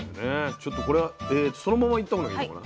ちょっとこれそのままいった方がいいのかな？